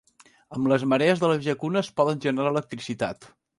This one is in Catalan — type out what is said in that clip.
Amb les marees de les llacunes poden generar electricitat.